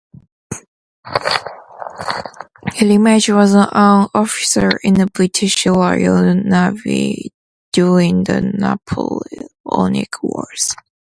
Ramage was an officer in the British Royal Navy during the Napoleonic Wars.